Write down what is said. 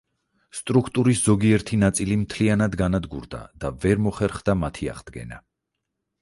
სტრუქტურის ზოგიერთი ნაწილი მთლიანად განადგურდა და ვერ მოხერხდა მათი აღდგენა.